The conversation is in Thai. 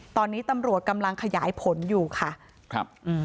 ตอนนี้ตำรวจกำลังขยายผลอยู่ค่ะครับอืม